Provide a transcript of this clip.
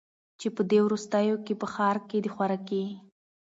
چي په دې وروستیو کي په ښار کي د خوراکي